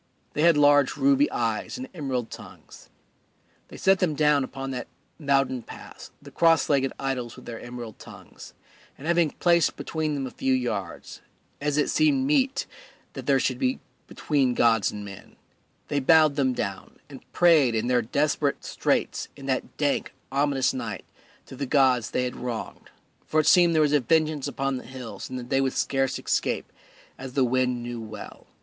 They had large ruby eyes and emerald tongues. They set them down upon that mountain pass, the cross legged idols with their emerald tongues; and having placed between them a few decent yards, as it seemed meet there should be between gods and men, they bowed them down and prayed in their desperate straits in that dank, ominous night to the gods they had wronged, for it seemed that there was a vengeance upon the hills and that they would scarce escape, as the wind knew well.